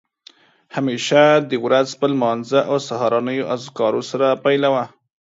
همېشه دې ورځ په لمانځه او سهارنیو اذکارو سره پیلوه